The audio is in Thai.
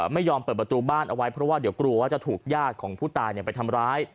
ไม่ยอมเปิดประตูบ้านเอาไว้เพราะว่าเดี๋ยวกลัวว่าจะถูกญาติของผู้ตายไปทำร้าย